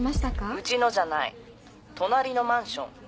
うちのじゃない隣のマンション。